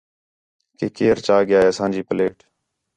کہ کیئر چا ڳِیا ہے اساں جی پلیٹ